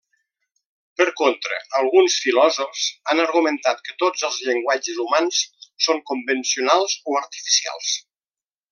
Per contra, alguns filòsofs han argumentat que tots els llenguatges humans són convencionals o artificials.